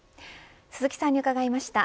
鈴木さんに伺いました。